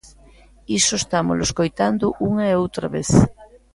Iso estámolo escoitando unha e outra vez.